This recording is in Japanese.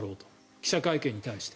記者会見に対して。